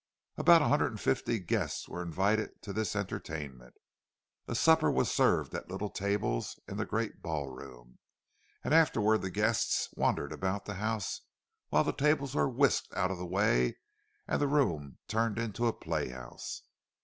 About a hundred and fifty guests were invited to this entertainment. A supper was served at little tables in the great ball room, and afterward the guests wandered about the house while the tables were whisked out of the way and the room turned into a play house.